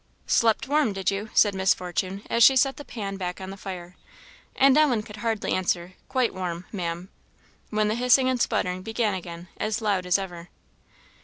"Slept warm, did you?" said Miss Fortune, as she set the pan back on the fire. And Ellen could hardly answer. "Quite warm, Maam," when the hissing and sputtering began again, as loud as ever.